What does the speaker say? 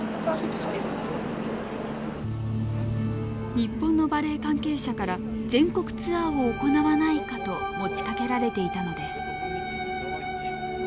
日本のバレエ関係者から全国ツアーを行わないかと持ちかけられていたのです。